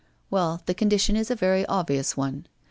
Well, the condition is a very obvious one.